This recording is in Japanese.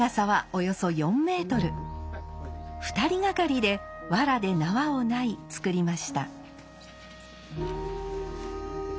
２人がかりでわらで縄をない作りました。